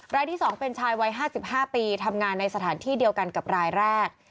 รายที่๒เป็นชายวัย๕๕ปีทำงานในสถานที่เดียวกันกับรายแรก